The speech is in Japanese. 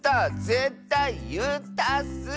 ぜったいいったッス！